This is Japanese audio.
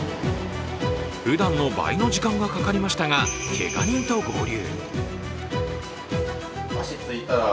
ふだんの倍の時間がかかりましたが、けが人と合流。